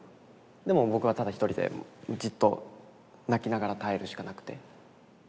でも僕はただ一人でじっと泣きながら耐えるしかなくて。